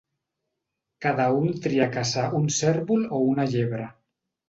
Cada un tria caçar un cérvol o una llebre.